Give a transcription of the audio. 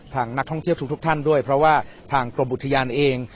ทางนักท่องเที่ยวทุกท่านด้วยเพราะว่าทางกรมอุทยานเอง